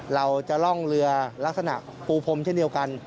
เราจะล่องเรือลักษณะปูพรมเช่นเดียวกัน